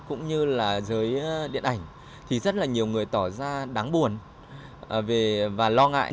cũng như là giới điện ảnh thì rất là nhiều người tỏ ra đáng buồn và lo ngại